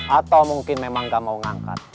atau mungkin memang gak mau ngangkat